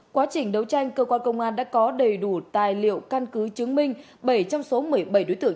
quá trình đấu tranh cơ quan công an đã có đầy đủ tài liệu căn cứ chứng minh bảy trong số một mươi bảy đối tượng